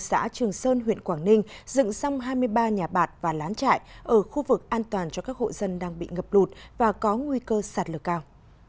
xã trường sơn huyện quảng ninh dựng xong hai mươi ba nhà bạc và lán trại ở khu vực an toàn cho các hộ dân đang bị ngập lụt và có nguy cơ sạt lở cao